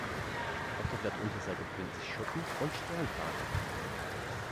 Auf der Blattunterseite befinden sich Schuppen- und Sternhaare.